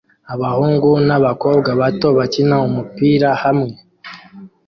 Abahungu n'abakobwa bato bakina umupira hamwe